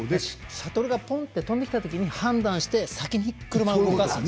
シャトルがポンと飛んできたときに判断して先に車いすを動かす。